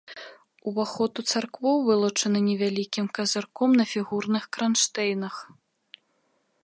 Уваход у царкву вылучаны невялікім казырком на фігурных кранштэйнах.